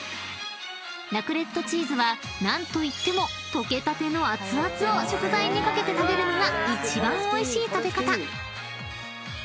［ラクレットチーズは何といっても溶けたてのあつあつを食材に掛けて食べるのが一番おいしい食べ方］